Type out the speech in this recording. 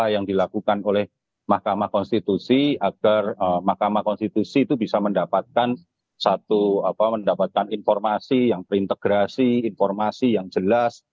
yang dilakukan oleh mahkamah konstitusi agar mahkamah konstitusi itu bisa mendapatkan satu apa mendapatkan informasi yang terintegrasi informasi yang jelas